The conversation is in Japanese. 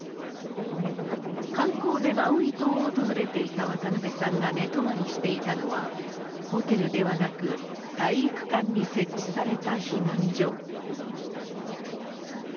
観光でマウイ島を訪れていた渡部さんが寝泊まりしていたのは、ホテルではなく、体育館に設置された避難所。